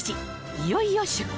いよいよ出航